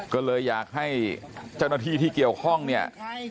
ก็เลยอยากให้เจ้าหน้าที่ที่เกี่ยวข้องเนี่ย